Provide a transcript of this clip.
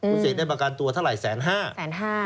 คุณเสกได้ประกันตัวเท่าไหร่๑๕๐๐บาท